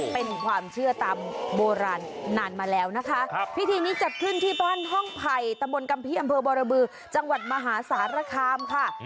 เป็นความเชื่อตามโบราณนานมาแล้วนะคะพิธีนี้จัดขึ้นที่บ้านห้องไผ่ตำบลกำพี่อำเภอบรบือจังหวัดมหาสารคามค่ะ